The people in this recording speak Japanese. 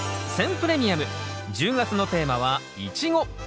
プレミアム１０月のテーマは「イチゴ」。